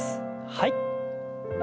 はい。